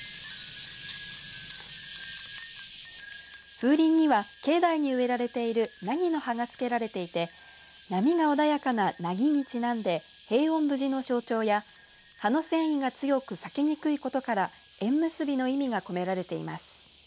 風鈴には境内に植えられている梛木の葉が付けられていて波が穏やかななぎにちなんで平穏無事の象徴や葉の繊維が強くさきにくいことから縁結びの意味が込められています。